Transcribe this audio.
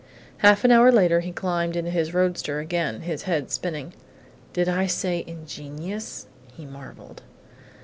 Half an hour later he climbed into his roadster again, his head spinning. "Did I say ingenious?" he marvelled....